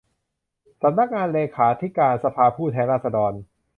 สำนักงานเลขาธิการสภาผู้แทนราษฎร